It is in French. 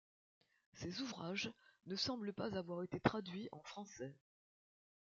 Ces ouvrages ne semblent pas avoir été traduits en français.